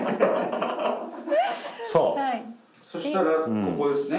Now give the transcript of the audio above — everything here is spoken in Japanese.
そしたらここですね。